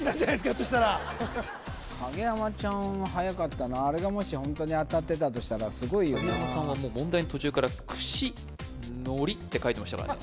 ひょっとしたら影山ちゃんははやかったなあれがもしホントに当たってたとしたらすごいよな影山さんは問題の途中から「串」「のり」って書いてましたからね